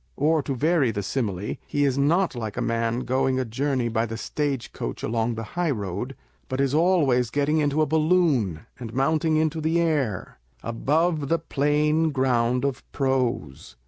Or, to vary the simile, he is not like a man going a journey by the stage coach along the highroad, but is always getting into a balloon, and mounting into the air, above the plain ground of prose.